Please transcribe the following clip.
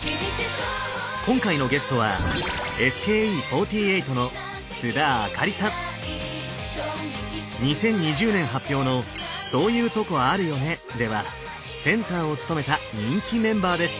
今回のゲストは２０２０年発表の「ソーユートコあるよね？」ではセンターを務めた人気メンバーです。